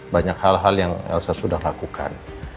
banyak hal hal yang saya sudah lakukan